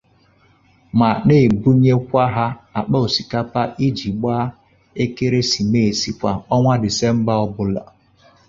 ma na-ebunyekwa ha àkpà osikapa iji gbaa ekeresimeesi kwà ọnwa Disemba ọbụla